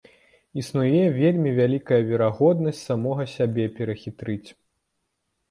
Існуе вельмі вялікая верагоднасць самога сябе перахітрыць.